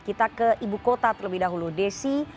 kita ke ibu kota terlebih dahulu desi